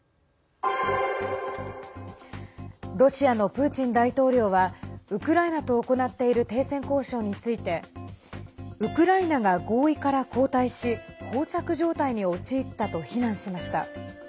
ロシアのプーチン大統領はウクライナと行っている停戦交渉についてウクライナが合意から後退しこう着状態に陥ったと非難しました。